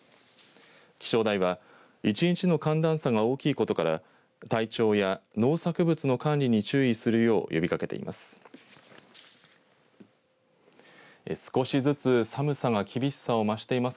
気象台は１日の寒暖差が大きいことから体調や農作物の管理に注意するよう呼びかけています。